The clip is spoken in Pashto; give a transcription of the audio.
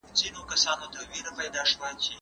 ښه چلند ستاسو شخصیت پیاوړی کوي.